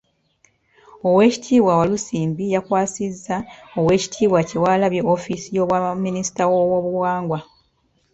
Oweekitiibwa Walusimbi yakwasizza Oweekitiibwa Kyewalabye ofiisi y’obwa minisita w’Obuwangwa.